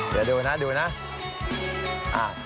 เดี๋ยวดูนะ